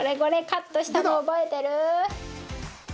カットしたの覚えてる？